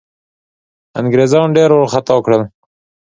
انګرېزان ډېر وارخطا کړل.